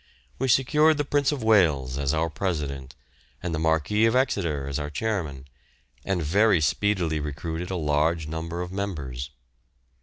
We secured the Prince of Wales as our president, and the Marquis of Exeter as our chairman, and very speedily recruited a large number of members.